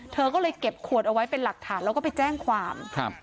เธอก็เลยเก็บขวดเอาไว้เป็นหลักฐานแล้วก็ไปแจ้งความครับ